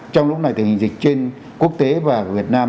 trong lúc này thì dịch trên quốc tế và việt nam